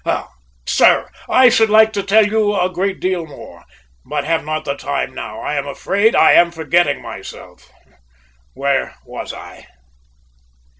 Ah, sir, I should like to tell you a great deal more, but have not the time now. I am afraid I am forgetting myself. Where was I?"